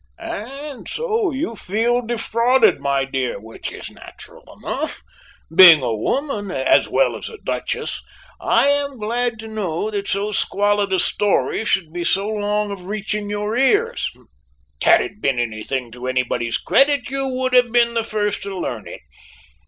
"And so you feel defrauded, my dear, which is natural enough, being a woman as well as a duchess. I am glad to know that so squalid a story should be so long of reaching your ears; had it been anything to anybody's credit you would have been the first to learn of it.